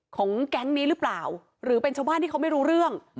แก๊งนี้หรือเปล่าหรือเป็นชาวบ้านที่เขาไม่รู้เรื่อง